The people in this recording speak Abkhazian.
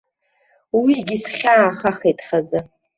Уигьы схьаахахит хазы.